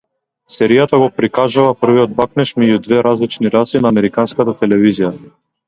Серијата го прикажала првиот бакнеж меѓу две различни раси на американската телевизија.